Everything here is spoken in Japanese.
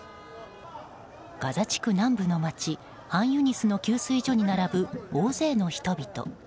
ガザ地区南部の町ハンユニスの給水所に並ぶ大勢の人々。